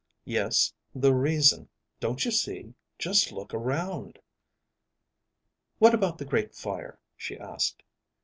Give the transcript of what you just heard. Yes, the reason, don't you see? Just look around." "What about the Great Fire?" she asked.